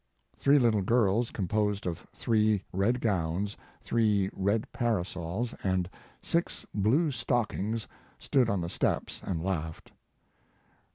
Three little girls composed of three red gowns, three red parasols and six blue stockings stood on the steps and laughed.